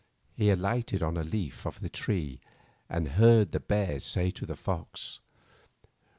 He alighted on a leaf of the tree and heard the bear say to the fox.